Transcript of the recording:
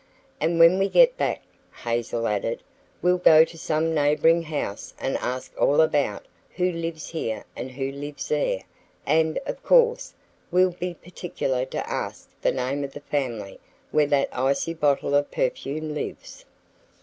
"And when we get back," Hazel added, "we'll go to some neighboring house and ask all about who lives here and who lives there, and, of course, we'll be particular to ask the name of the family where that icy bottle of perfume lives."